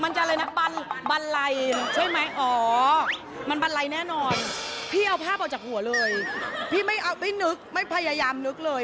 อะไรนะบันไลใช่ไหมอ๋อมันบันไลแน่นอนพี่เอาภาพออกจากหัวเลยพี่ไม่นึกไม่พยายามนึกเลย